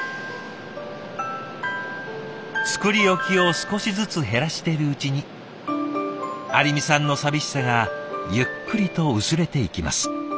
作り置きを少しずつ減らしてるうちに有美さんの寂しさがゆっくりと薄れていきます。